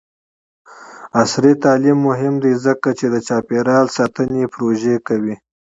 عصري تعلیم مهم دی ځکه چې د چاپیریال ساتنې پروژې کوي.